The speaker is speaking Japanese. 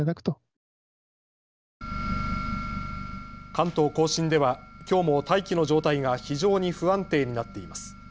関東甲信ではきょうも大気の状態が非常に不安定になっています。